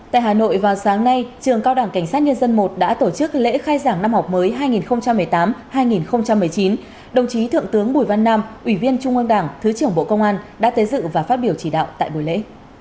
tại hà nội vào sáng nay trường cao đảng cảnh sát nhân dân i đã tổ chức lễ khai giảng năm học mới hai nghìn một mươi tám hai nghìn một mươi chín đồng chí thượng tướng bùi văn nam ủy viên trung ương đảng thứ trưởng bộ công an đã tới dự và phát biểu chỉ đạo tại buổi lễ